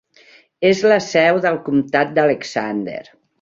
És la seu del comtat d'Alexander.